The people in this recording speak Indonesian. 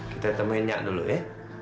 kita temuinnya dulu ya